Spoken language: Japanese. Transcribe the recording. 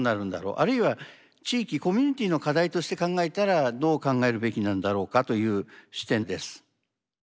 あるいは地域コミュニティーの課題として考えたらどう考えるべきなんだろうかという視点です。